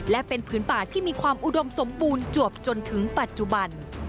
และเป็นผืนป่าที่มีความอุดมสมบูรณ์จวบจนถึงปัจจุบัน